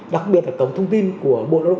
đặc biệt là tổng thông tin của bộ đạo đồng